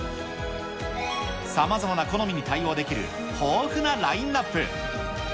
さまざまな好みに対応できる豊富なラインアップ。